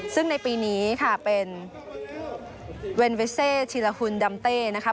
ซึ่งในปีนี้ค่ะเป็นเวนเวเซชีลาฮุนดัมเต้นะครับ